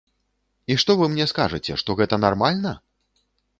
І што вы мне скажаце, што гэта нармальна?!